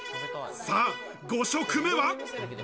さぁ、５食目は？